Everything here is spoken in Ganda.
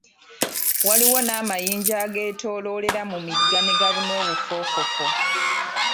Waliwo n'amanyinja ageetooloolera mu migga ne gabuna obufoofofo.